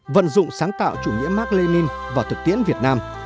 vận dụng sáng tạo chủ nghĩa mark lenin vào thực tiễn việt nam